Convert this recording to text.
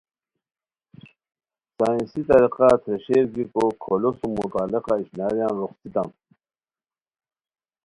سائنسی ترقیہ تھریشر گیکو کھولو سُم متعلقہ اشناریان روخڅیتام